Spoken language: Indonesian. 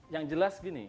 yang jelas gini